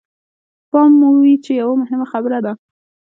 پام مو وي چې يوه مهمه خبره ده.